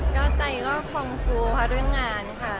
ก็ใจก็ฟองฟูด้วยงานค่ะ